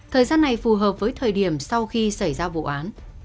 thời gian này phù hợp với thời điểm sau khi xảy ra vụ án